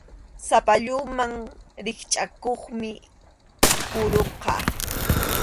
Sapalluman rikchʼakuqmi puruqa.